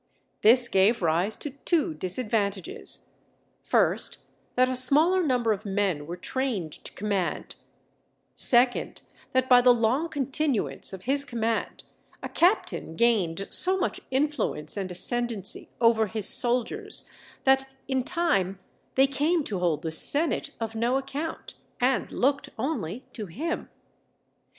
This gave rise to two disadvantages: first that a smaller number of men were trained to command; second, that by the long continuance of his command a captain gained so much influence and ascendency over his soldiers that in time they came to hold the senate of no account, and looked only to him.